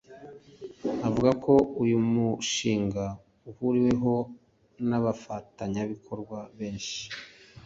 avuga ko uyu mushinga uhuriweho n’abafatanyabikorwa benshi